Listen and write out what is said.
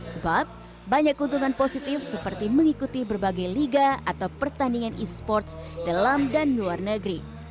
sebab banyak keuntungan positif seperti mengikuti berbagai liga atau pertandingan e sports dalam dan luar negeri